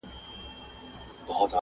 ما په سترګو خر لیدلی پر منبر دی؛